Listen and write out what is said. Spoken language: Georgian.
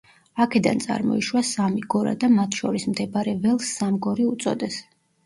აქედან წარმოიშვა სამი გორა და მათ შორის მდებარე ველს სამგორი უწოდეს.